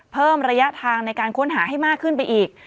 เพิ่มระยะทางในการค้นหาให้มากขึ้นไปอีก